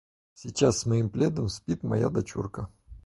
Сейчас с моим пледом спит моя дочурка.